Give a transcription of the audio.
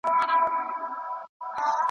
ازادي سي د هوَس درته حاصله